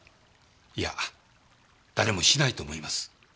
いや誰もしないと思います。